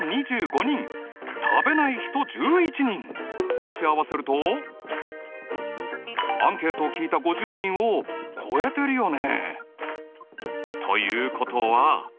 足し合わせるとアンケートを聞いた５０人を超えてるよね。